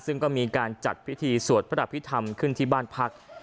ซึ่งก็มีการจัดพิธีสวดพระอภิษฐรรมขึ้นที่บ้านพัก